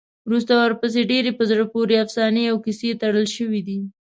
وروسته ورپسې ډېرې په زړه پورې افسانې او کیسې تړل شوي دي.